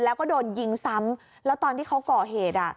แล้วก็โดนยิงซ้ำแล้วตอนที่เขาก่อเหตุอ่ะ